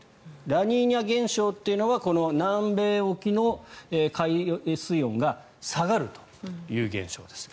ラニーニャ現象というのは南米沖の海水温が下がるという現象です。